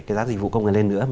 cái giá dịch vụ công nghệ lên nữa